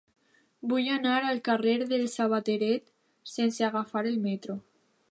Vull anar al carrer del Sabateret sense agafar el metro.